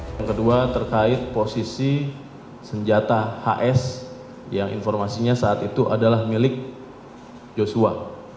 yang kedua terkait posisi senjata hs yang informasinya saat itu adalah milik joshua